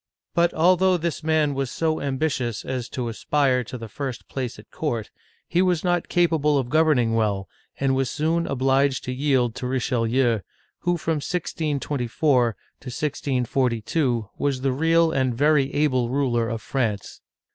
But al though this man was so ambitious as to aspire to the first place at court, he was not capable of governing well, and was soon obliged to yield to Richelieu, who from 1624 to 1642 was the real and very able ruler of France.